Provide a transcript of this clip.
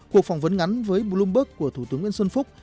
cuộc phỏng vấn ngắn với bloomberg của thủ tướng nguyễn xuân phúc